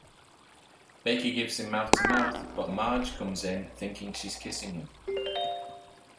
Becky gives him mouth-to-mouth but Marge comes in thinking she's kissing him.